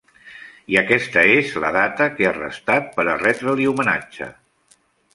I aquesta és la data que ha restat per a retre-li homenatge.